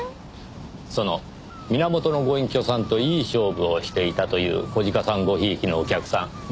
その源のご隠居さんといい勝負をしていたという小鹿さんご贔屓のお客さんご存じですか？